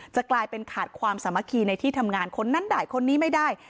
จะกลายเป็นขาดความสามัคคีในที่ทำงานคนนั้นได้คนนี้ไม่ได้